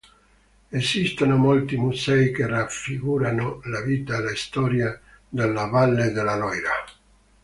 Esistono molti musei che raffigurano la vita e la storia della Valle della Loira.